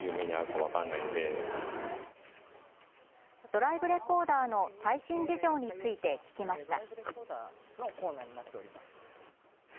ドライブレコーダーの最新事情について聞きました。